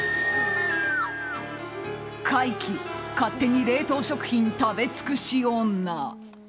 怪奇、勝手に冷凍食品食べつくし女。